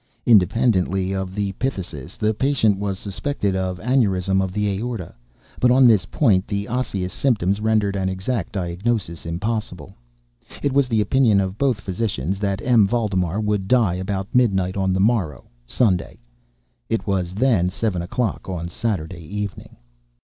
Independently of the phthisis, the patient was suspected of aneurism of the aorta; but on this point the osseous symptoms rendered an exact diagnosis impossible. It was the opinion of both physicians that M. Valdemar would die about midnight on the morrow (Sunday). It was then seven o'clock on Saturday evening.